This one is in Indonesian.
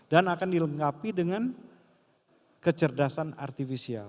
dan akan dilengkapi dengan kecerdasan artificial